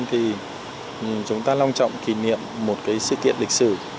thì chúng ta long trọng kỷ niệm một cái sự kiện lịch sử